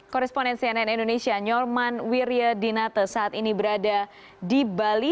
koresponen cnn indonesia nyorman wiryadinate saat ini berada di bali